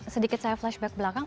sedikit saya flashback belakang